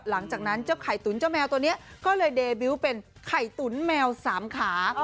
หลังจากนั้นเจ้าไข่ตุ๋นเจ้าแมวตัวนี้ก็เลยเดบิวต์เป็นไข่ตุ๋นแมวสามขา